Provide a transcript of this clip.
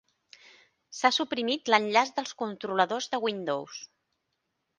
S"ha suprimit l"enllaç dels controladors de Windows.